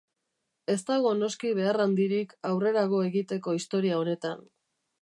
Ez dago noski behar handirik aurrerago egiteko historia honetan.